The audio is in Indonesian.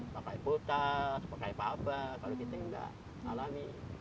pakai botas pakai apa apa kalau kita tidak alami